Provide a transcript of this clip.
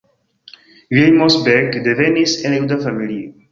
Vilmos Beck devenis el juda familio.